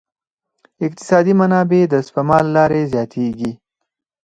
اقتصادي منابع د سپما له لارې زیاتیږي.